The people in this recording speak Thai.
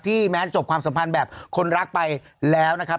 แม้จะจบความสัมพันธ์แบบคนรักไปแล้วนะครับ